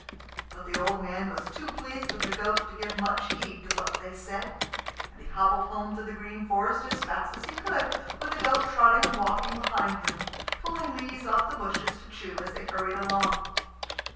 But the old man was too pleased with the goat to give much heed to what they said; and he hobbled home through the green forest as fast as he could, with the goat trotting and walking behind him, pulling leaves off the bushes to chew as they hurried along.